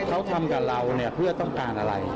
เขาทำกับเราเนี่ยเพื่อต้องการอะไร